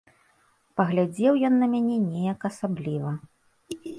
Паглядзеў ён на мяне неяк асабліва.